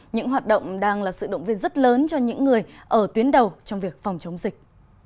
những hoạt động đang là sự động viên rất lớn cho những người ở tuyến đầu trong việc phòng chống dịch